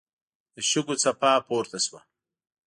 د شګو څپه پورته شوه.